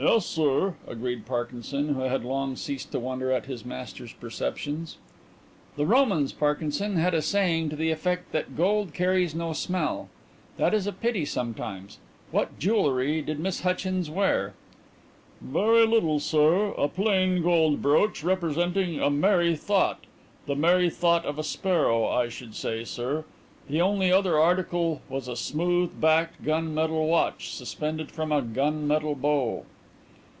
"Yes, sir," agreed Parkinson, who had long ceased to wonder at his master's perceptions. "The Romans, Parkinson, had a saying to the effect that gold carries no smell. That is a pity sometimes. What jewellery did Miss Hutchins wear?" "Very little, sir. A plain gold brooch representing a merry thought the merry thought of a sparrow, I should say, sir. The only other article was a smooth backed gun metal watch, suspended from a gun metal bow."